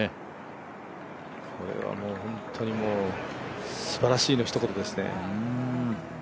これはもう本当にすばらしいのひと言ですね。